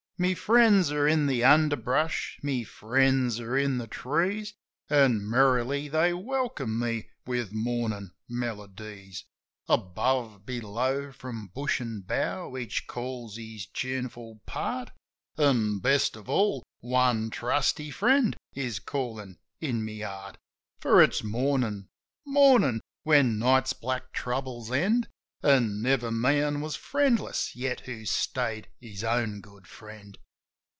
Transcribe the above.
My friends are in the underbrush, my friends are in the trees. An' merrily they welcome me with mornin' melodies. Above, below, from bush an' bough each calls his tuneful part; An' best of all, one trusty friend is callin' in my heart. For it's Mornin' ! Mornin' ! When night's black troubles end. An' never man was friendless yet who stayed his own good friend.